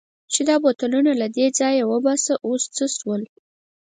چې دا بوتلونه له دې ځایه وباسه، اوس څه شول؟